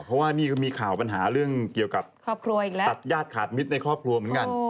เพราะว่านี่ก็มีข่าวปัญหาเรื่องเกี่ยวกับครอบครัวอีกแล้วตัดญาติขาดมิตรในครอบครัวเหมือนกัน